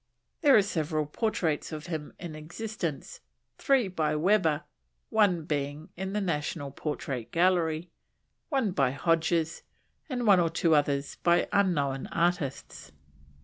There are several portraits of him in existence; three by Webber, one being in the National Portrait Gallery; one by Hodges; and one or two others by unknown artists.